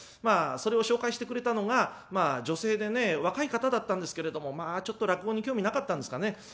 まあそれを紹介してくれたのが女性でね若い方だったんですけれどもまあちょっと落語に興味なかったんですかね